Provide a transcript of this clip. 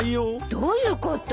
どういうこと？